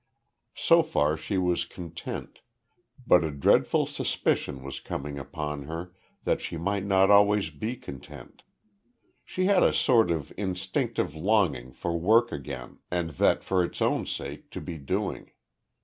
So far she was content, but a dreadful suspicion was coming upon her that she might not be always content. She had a sort of instinctive longing for work again, and that for its own sake to be doing.